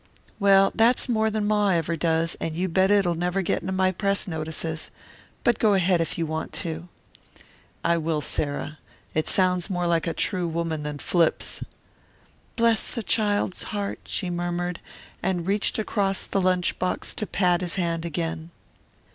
"Well, that's more than Ma ever does, and you bet it'll never get into my press notices. But go ahead if you want to." "I will, Sarah. It sounds more like a true woman than 'Flips.'" "Bless the child's heart," she murmured, and reached across the lunch box to pat his hand again.